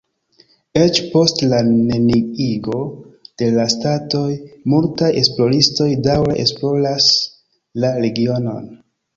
Eĉ post la neniigo de la statuoj multaj esploristoj daŭre esploras la regionon.